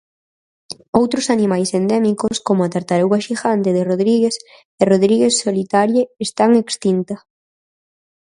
Outros animais endémicos como a tartaruga xigante de Rodrigues e Rodrigues Solitaire están extinta.